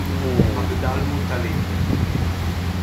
ʿAbd al-Muttalib.